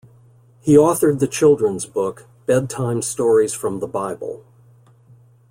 He authored the children's book, "Bedtime Stories from the Bible".